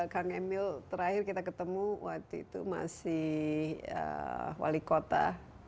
kang emil terakhir kita ketemu waktu itu masih wali kota